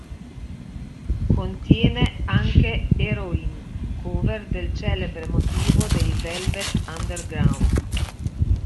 Contiene anche "Heroin", cover del celebre motivo dei Velvet Underground.